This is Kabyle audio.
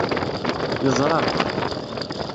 Yeẓra.